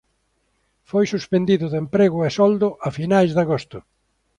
Foi suspendido de emprego e soldo a finais de agosto.